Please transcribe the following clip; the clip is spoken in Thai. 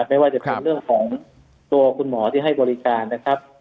ไม่ว่าจะเป็นเรื่องของตัวคุณหมอที่ให้บริการนะครับ